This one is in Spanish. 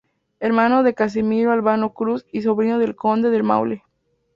Hermano de Casimiro Albano Cruz y sobrino del conde del Maule.